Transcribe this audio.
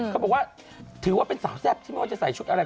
พูดว่าถือว่าสาวแซ่บที่เหมือนมันจะใส่ชุดอะไร